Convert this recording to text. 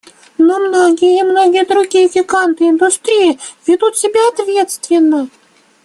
Но многие и многие другие гиганты индустрии ведут себя ответственно.